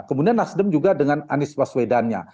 kemudian nasdem juga dengan anies baswedannya